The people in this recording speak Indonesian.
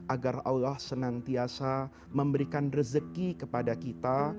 agar allah senantiasa memberikan rezeki kepada kita